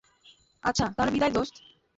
আচ্ছা, তাহলে বিদায় দোস্ত।